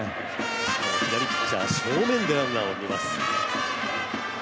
左ピッチャー正面でランナーを見ます。